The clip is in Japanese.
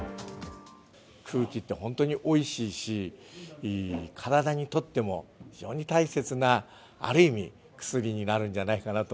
空気って本当においしいし、体にとっても、非常に大切なある意味、薬になるんじゃないかなと。